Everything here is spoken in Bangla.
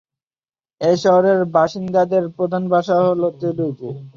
এই শহরের বাসিন্দাদের প্রধান ভাষা হল তেলুগু।